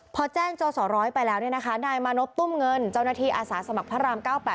พอแจ้งจสรไปแล้วเนี่ยนะคะนายมาโน๊ตตุ้มเงินเจ้าหน้าทีอาศาสมัครพระราม๙๘๐